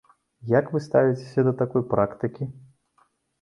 Як вы ставіцеся да такой практыкі?